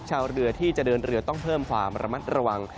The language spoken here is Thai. ชาวเรือที่จะเดินเรือต้องเพิ่มความระมัดระวัง